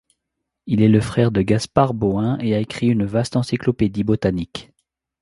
Il est le frère de Gaspard Bauhin et a écrit une vaste encyclopédie botanique.